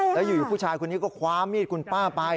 แล้วอยู่ผู้ชายคนนี้ก็คว้ามีดคุณป้าไป